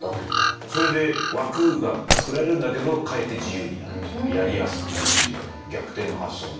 それで枠が創られるんだけどかえって自由になるというやりやすくなるっていう逆転の発想みたいな。